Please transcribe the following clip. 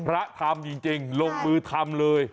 พระทำจริงลงมือทำเลย